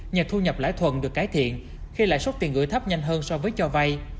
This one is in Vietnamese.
nhờ thu nhập lãi thuận được cải thiện khi lãi suất tiền gửi thấp nhanh hơn so với cho vay